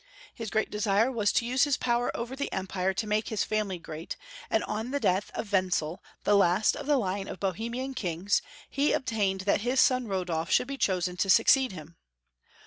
His great desire was to use his power over the Empire to make his family great, and on the death of Wen zel, the last of the line of Bohemian kings, he obtained that his son Rodolf should be chosen to succeed him.